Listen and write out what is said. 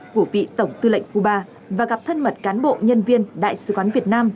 của vị tổng tư lệnh cuba và gặp thân mật cán bộ nhân viên đại sứ quán việt nam